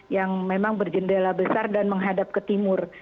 yang memang berjendela besar dan menghadap ke timur